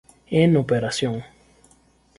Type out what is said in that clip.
En operación